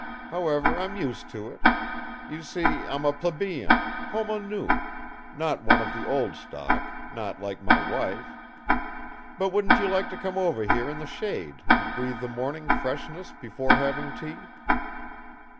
However, I'm used to it; you see I'm a plebeian, homo nous not one of the old stock, not like my wife ... But wouldn't you like to come over here in the shade and breathe the morning freshness before having tea?"